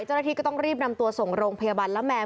เจ้าหน้าที่ก็ต้องรีบนำตัวส่งโรงพยาบาลละแมว